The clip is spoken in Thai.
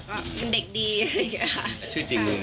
ก็เป็นเด็กดีอะไรอย่างนี้ค่ะ